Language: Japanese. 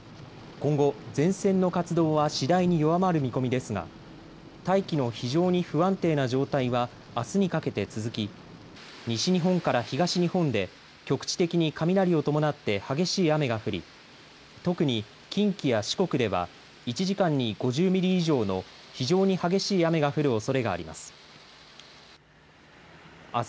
今後、前線の活動は次第に弱まる見込みですが大気の非常に不安定な状態はあすにかけて続き、西日本から東日本で局地的に雷を伴って激しい雨が降り特に近畿や四国では１時間に５０ミリ以上の非常に激しい雨が降るおそれがあります。